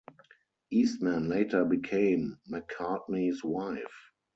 Eastman later became McCartney's wife.